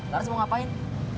laris mau ngapain